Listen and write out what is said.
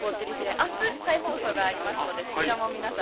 あす、再放送がありますのでそちらも皆さん